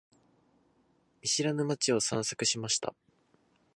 見知らぬ街を散策しました。